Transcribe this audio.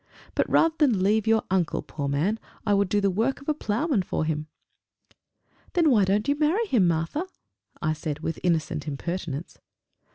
But rather than leave your uncle, poor man! I would do the work of a ploughman for him." "Then why don't you marry him, Martha?" I said, with innocent impertinence.